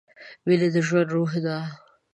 مینه د ژوند روح ده.